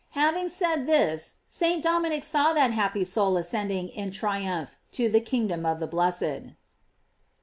Having said this, St. Dominic saw that happy soul ascending in triumph to the kingdom of the blessed.